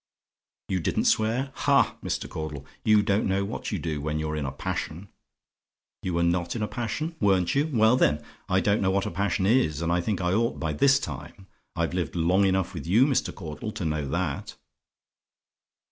"YOU DIDN'T SWEAR? "Ha, Mr. Caudle! you don't know what you do when you're in a passion. "YOU WERE NOT IN A PASSION? "Weren't you? Well, then, I don't know what a passion is and I think I ought by this time. I've lived long enough with you, Mr. Caudle, to know that.